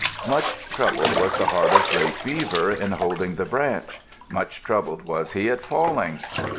Much troubled was the heart of great Beaver, in holding the branch. Much troubled was he at falling.